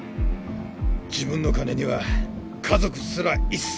自分の金には家族すら一切手を触れさせない。